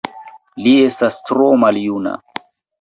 Li estas tro maljuna.